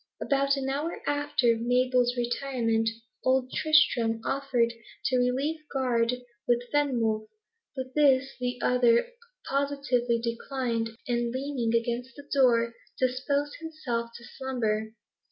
About an hour after Mabel's retirement, old Tristram offered to relieve guard with Fenwolf, but this the other positively declined, and leaning against the door, disposed himself to slumber.